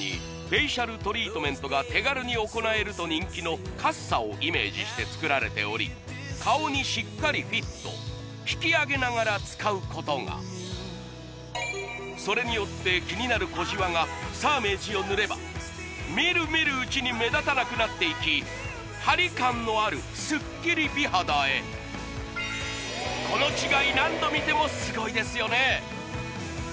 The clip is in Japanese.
フェイシャルトリートメントが手軽に行えると人気のかっさをイメージして作られており顔にしっかりフィット引き上げながら使うことがそれによってキニナル小じわがサーメージを塗ればみるみるうちに目立たなくなっていきハリ感のあるスッキリ美肌へこの違い何度見てもすごいですよね